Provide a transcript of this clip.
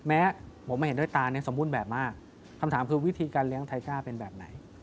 แม้ผมไม่เห็นด้วยตาเนี่ยสมบูรณ์แบบมากคำถามคือวิธีการเลี้ยงไทก้าเป็นแบบไหน